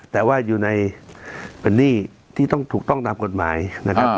แต่ว่าอยู่ในเป็นหนี้ที่ต้องถูกต้องตามกฎหมายนะครับ